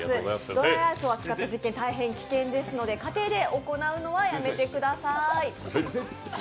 ドライアイスを扱った実験大変危険ですので家庭で行うのはやめてください。